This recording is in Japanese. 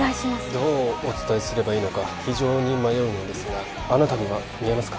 どうお伝えすればいいのか非常に迷うのですがあなたには見えますか？